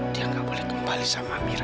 dia tidak boleh kembali sama amira